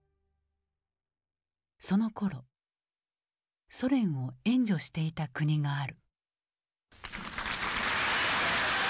そのころソ連を援助していた国がある。